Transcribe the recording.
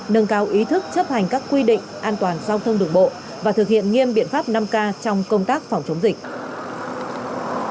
nâng cao ý thức chấp hành các quy định an toàn giao thông đường bộ và thực hiện nghiêm biện pháp năm k trong công tác phòng chống dịch